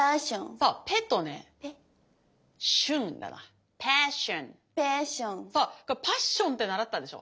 そうこれパッションって習ったでしょ。